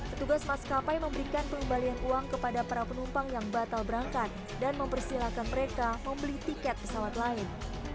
petugas maskapai memberikan pengembalian uang kepada para penumpang yang batal berangkat dan mempersilahkan mereka membeli tiket pesawat lain